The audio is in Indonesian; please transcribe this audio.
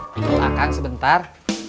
tunggu akang sebentar